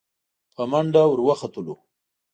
په منډه ور وختلو.